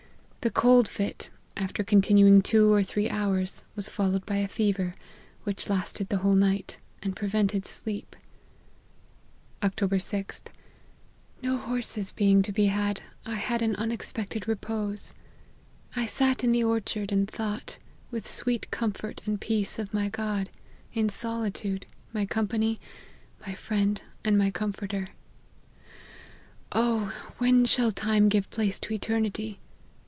The cold fit, after continuing two or three hours, was followed by a fever, which lasted the whole night, and prevented sleep. " Oct. 6th. No horses being to be had, I had an unexpected repose. I sat in the orchard, and thought, with sweet comfort and peace, of my God ; in solitude, my company, my friend and comforter. Oh ! when shall time give place to eternity